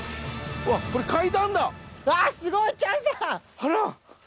あら！